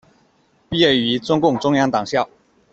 毕业于中共中央党校。